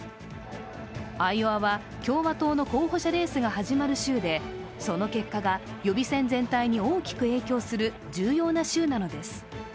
アイオワは、共和党の候補者レースが始まる州で、その結果が予備選全体に大きく影響する、重要な州なのです。